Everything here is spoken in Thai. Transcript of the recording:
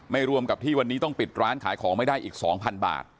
รวมกับที่วันนี้ต้องปิดร้านขายของไม่ได้อีก๒๐๐บาท